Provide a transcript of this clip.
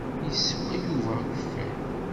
Yeswa Yuba akeffay.